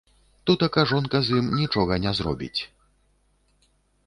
Тутака жонка з ім нічога не зробіць.